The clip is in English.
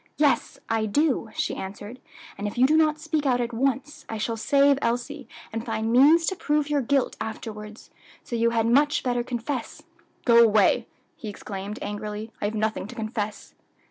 "Yes, I do," she answered; "and if you do not speak out at once, I shall save Elsie, and find means to prove your guilt afterwards; so you had much better confess." "Go away," he exclaimed angrily, "I have nothing to confess."